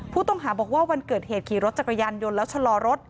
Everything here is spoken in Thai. ผู้ต้องหาบอกว่าวันเกิดเหตุขี่รถจักรยานยนต์แล้วชะลอรถ